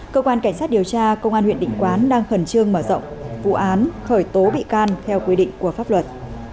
cơ quan cảnh sát điều tra công an huyện định quán đang khẩn trương mở rộng vụ án khởi tố bị can theo quy định của pháp luật